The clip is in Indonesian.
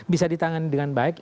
bisa ditangani dengan baik